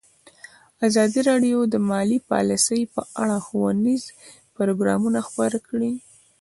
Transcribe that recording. ازادي راډیو د مالي پالیسي په اړه ښوونیز پروګرامونه خپاره کړي.